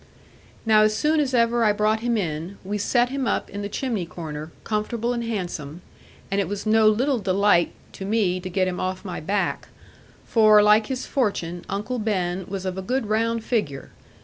Now as soon as ever I brought him in, we set him up in the chimney corner, comfortable and handsome; and it was no little delight to me to get him off my back; for, like his own fortune, Uncle Ben was of a good round figure.